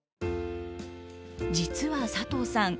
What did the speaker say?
実は佐藤さん